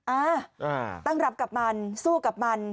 อ่าตั้งรับกับมันสู้กับมัน